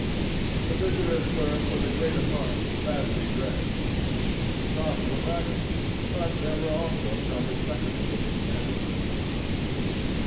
The visitors were, for the greater part, badly dressed people; some were ragged, but there were also some respectable looking men and women.